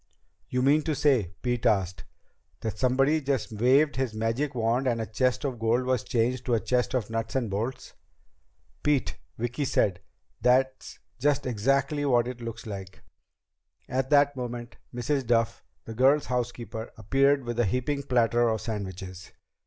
"You mean to say," Pete asked, "that somebody just waved his magic wand and a chest of gold was changed to a chest of nuts and bolts?" "Pete," Vicki said, "that's just exactly what it looks like." At that moment Mrs. Duff, the girls' housekeeper, appeared with a heaping platter of sandwiches.